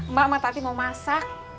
mbak matati mau masak